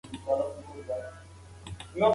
عدالت تر ظلم ډیر پیاوړی پاته کیږي.